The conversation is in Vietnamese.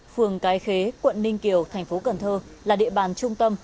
phường cái khế quận ninh kiều tp cần thơ là địa bàn trung tâm